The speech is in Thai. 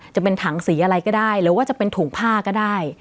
จะเป็นถังสีอะไรก็ได้หรือว่าจะเป็นถุงผ้าก็ได้